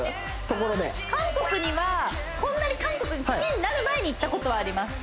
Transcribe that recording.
ところで韓国にはこんなに韓国好きになる前に行ったことはあります